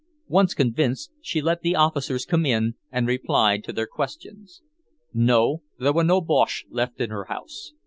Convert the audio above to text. Once convinced, she let the officers come in and replied to their questions. No, there were no Boches left in her house.